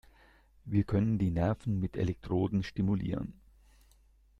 Wir können die Nerven mit Elektroden stimulieren.